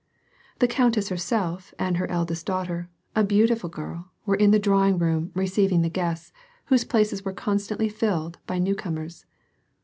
The countess herself and her eldest daughter, a beautiful girl, were in the drawing room receiving the guests, whose places were constantly filled by new comers.